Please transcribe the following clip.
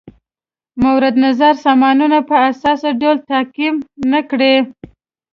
مورد نظر سامانونه په اساسي ډول تعقیم نه کړي.